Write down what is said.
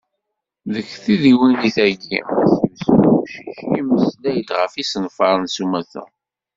Deg tdiwennit-agi, mass Yusef Awcic, yemmeslay-d ɣef yisenfaren s umata.